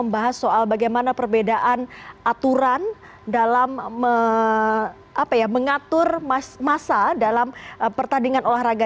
bagaimana perbedaan aturan dalam pertandingan olahraga